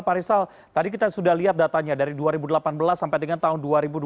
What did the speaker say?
pak rizal tadi kita sudah lihat datanya dari dua ribu delapan belas sampai dengan tahun dua ribu dua puluh